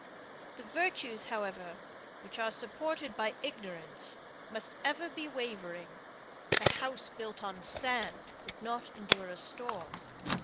The virtues, however, which are supported by ignorance, must ever be wavering the house built on sand could not endure a storm.